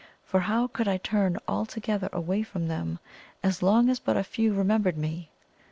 For how could I turn altogether away from them, as long as but a few remembered me?